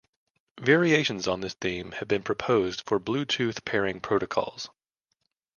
Variations on this theme have been proposed for Bluetooth pairing protocols.